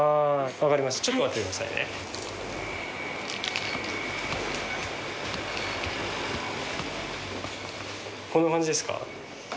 分かりましたちょっと待ってくださいねこんな感じですか？